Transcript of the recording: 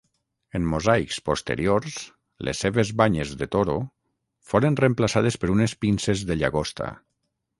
En mosaics posteriors, les seves banyes de toro foren reemplaçades per unes pinces de llagosta.